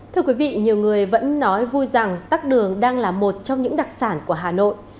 thưa quý vị nhiều người vẫn nói vui rằng tắc đường đang là một trong những đặc sản của hà nội